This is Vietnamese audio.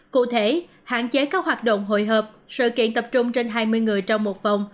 cụ thể hạn chế các hoạt động hội hợp sự kiện tập trung trên hai mươi người trong một phòng